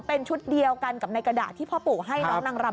เป็นชุดเดียวกันกับในกระดาษที่พ่อปู่ให้น้องนางรำ